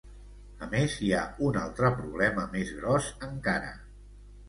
A més, hi ha un altre problema més gros encara.